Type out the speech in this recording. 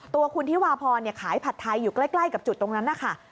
ตัวคุณธิวาพรขายผัดไทยอยู่ใกล้กับจุดตรงนั้นนะคะ